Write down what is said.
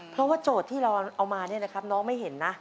เพราะว่าโจทย์ที่เราเอามาเนี่ยนะครับน้องไม่เห็นนะ